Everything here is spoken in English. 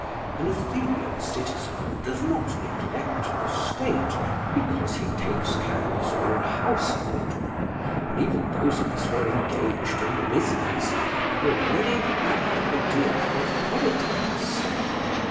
An Athenian citizen does not neglect the state because he takes care of his own household; and even those of us who are engaged in business have a very fair idea of politics.